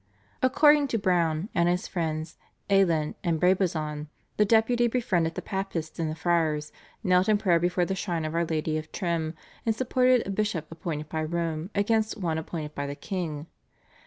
According to Browne and his friends Alen and Brabazon, the Deputy befriended the papists and the friars, knelt in prayer before the shrine of Our Lady of Trim, and supported a bishop appointed by Rome against one appointed by the king.